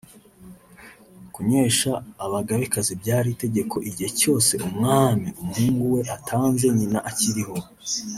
Kunywesha abagabekazi byari itegeko igihe cyose umwami (umuhungu we ) atanze nyina akiriho